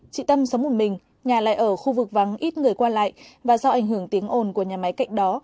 chị tâm sống một mình nhà lại ở khu vực vắng ít người qua lại và do ảnh hưởng tiếng ồn của nhà máy cạnh đó